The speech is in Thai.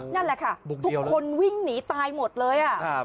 นั่นแหละค่ะบุกเดียวทุกคนวิ่งหนีตายหมดเลยอ่ะครับ